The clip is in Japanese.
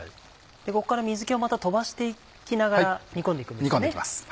ここから水気をまた飛ばして行きながら煮込んで行くんですね。